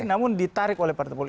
namun ditarik oleh partai politik